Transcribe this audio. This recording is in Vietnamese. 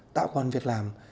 tạo quan việc làm